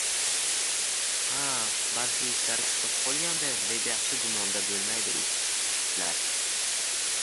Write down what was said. Ha balki ishlari chiqib qolgandir deb yaxshi gumonda boʻlmaydi ular.